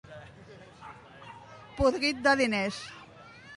Podrit de diners.